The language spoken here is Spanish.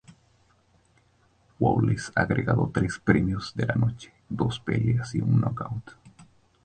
Bowles ha ganado tres premios de la noche, dos peleas y un nocaut.